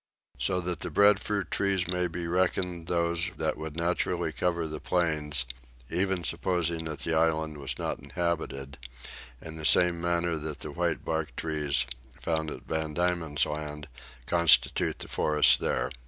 So that the breadfruit trees may be reckoned those that would naturally cover the plains, even supposing that the island was not inhabited, in the same manner that the white barked trees, found at Van Diemen's Land, constitute the forests there.